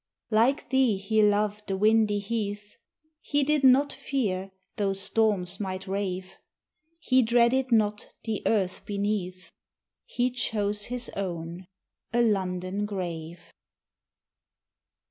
Like thee he loved the windy heath; He did not fear though storms might rave, He dreaded not the earth beneath, He chose his own, a London grave.